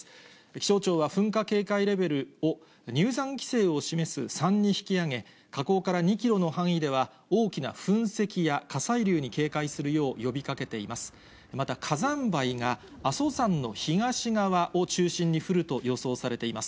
気象庁は噴火警戒レベルを、入山規制を示す３に引き上げ、火口から２キロの範囲では大きな噴石や火砕流に警戒するよう呼びかけています。